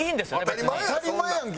当たり前やんけ！